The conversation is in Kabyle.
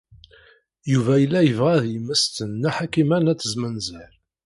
Yuba yella yebɣa ad yemmesten Nna Ḥakima n At Zmenzer.